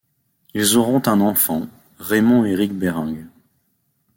Ils auront un enfant, Raymond-Eric Berings.